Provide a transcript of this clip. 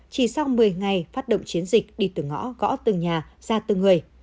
chỉ sau một mươi ngày phát động chiến dịch đi từ ngõ gõ từng nhà ra từng người